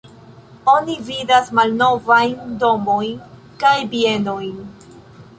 Oni vidas malnovajn domojn kaj bienojn.